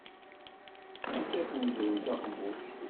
Ittak uzrem taqemmuct.